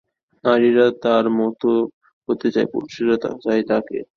নারীরা তার মতো হতে চায়, পুরুষেরা চায় তাকে।